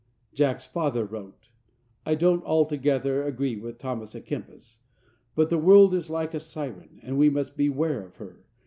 '" Jack's father wrote: "I don't altogether agree with Thomas à Kempis; but the world is like a siren, and we must beware of her.